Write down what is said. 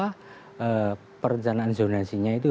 kesanaan zonasinya itu